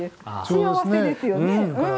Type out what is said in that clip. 幸せですよね。